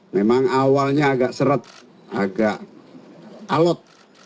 memang awalnya agak seret agak alot